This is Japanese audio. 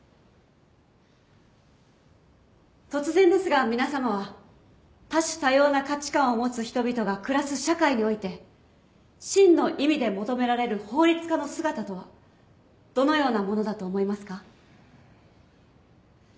突然ですが皆さまは多種多様な価値観を持つ人々が暮らす社会において真の意味で求められる法律家の姿とはどのようなものだと思いますか？